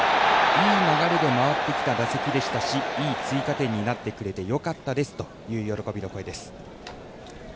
いい流れで回ってきた打席でしたしいい追加点になってくれてよかったですという喜びの声です。